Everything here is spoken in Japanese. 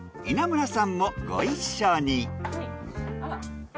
稲村さんもご一緒に。